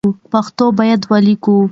پښتو باید ولیکو